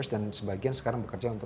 dan sebagian sekarang bekerja untuk